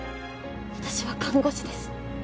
私は看護師です